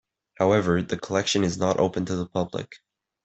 However, the collection is not open to the public.